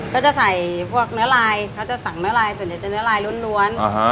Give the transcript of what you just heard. ก็จะใส่พวกเนื้อลายเขาจะสั่งเนื้อลายส่วนใหญ่จะเนื้อลายล้วน